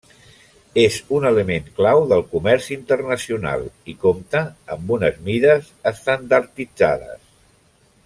És un element clau del comerç internacional i compta amb unes mides estandarditzades.